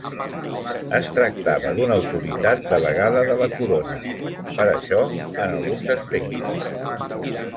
Es tractava d’una autoritat delegada de la corona, per això en alguns aspectes.